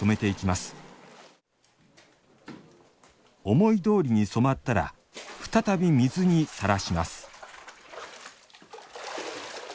思いどおりに染まったら再び水にさらします